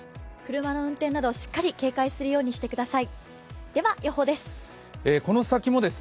車の運転など、しっかり警戒するようにしてください。